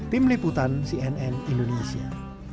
tim liputan cnn indonesia